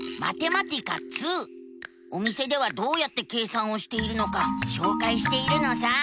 お店ではどうやって計算をしているのかしょうかいしているのさ。